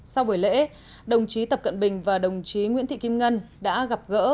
sau buổi lễ đồng chí tập cận bình và đồng chí nguyễn thị kim ngân đã gặp gỡ